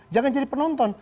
jangan jadi penonton